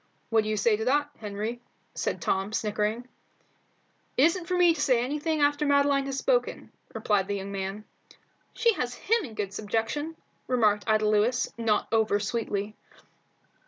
"What do you say to that, Henry?" said Tom, snickering. "It isn't for me to say anything after Madeline has spoken," replied the young man. "She has him in good subjection," remarked Ida Lewis, not over sweetly.